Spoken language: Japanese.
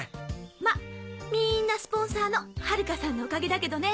まっみんなスポンサーの晴華さんのおかげだけどね！